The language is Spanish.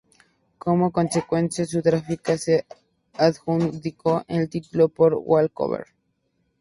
Como consecuencia, Sudáfrica se adjudicó el título por walkover.